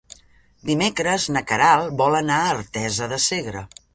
Dimecres na Queralt vol anar a Artesa de Segre.